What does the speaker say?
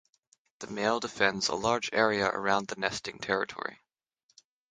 The male defends a large area around the nesting territory.